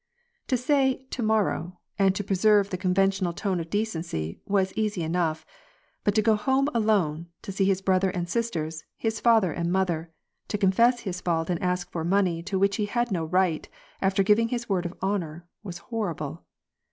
To say 'to morrow,' and to preserve the conventional tone of decency, was easy enough ; but to go home alone, to see his brother and sisters, his father and mother, to confess his fault and ask for money to which he had no right, after giving his word of honor, was horrible.